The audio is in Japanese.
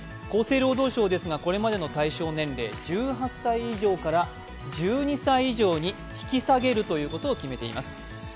厚生労働省ですが、これまでの対象年齢、１８歳以上から１２歳以上に引き下げることを決めています。